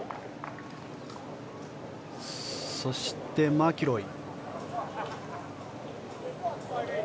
そして、マキロイ。